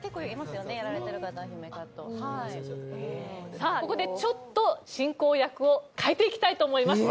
さあここでちょっと進行役を代えていきたいと思います。